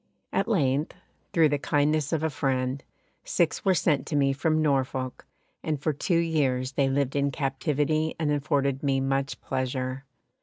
At length, through the kindness of a friend, six were sent to me from Norfolk, and for two years they lived in captivity and afforded me much pleasure.